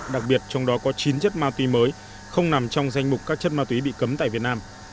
đặc biệt trong đó có chín chất ma túy mới không nằm trong danh mục các chất ma túy bị cấm tại việt nam